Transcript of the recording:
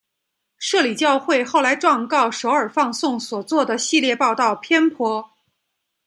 摄理教会后来状告首尔放送所做的系列报导偏颇。